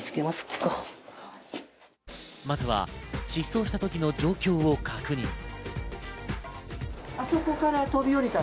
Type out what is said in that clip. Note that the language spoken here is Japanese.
まずは失踪した時の状況を確認。